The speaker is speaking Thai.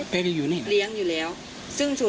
เพคก็อยู่นี่เหรอเรียงอยู่แล้วซึ่งสูนัก